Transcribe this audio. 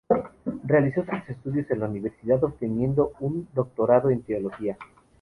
Realizó sus estudios en la Universidad, obteniendo un doctorado en teología.